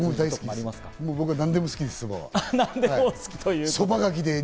僕は何でも、そばは好きです。